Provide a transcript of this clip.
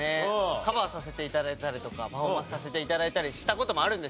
カバーさせて頂いたりとかパフォーマンスさせて頂いたりした事もあるんですよ。